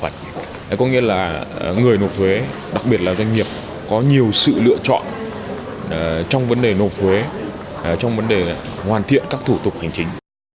có nghĩa là người nộp thuế đặc biệt là doanh nghiệp có nhiều sự lựa chọn trong vấn đề nộp thuế trong vấn đề hoàn thiện các thủ tục hành chính